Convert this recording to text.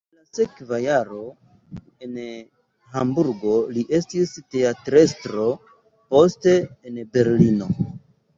En la sekva jaro en Hamburgo li estis teatrestro, poste en Berlino.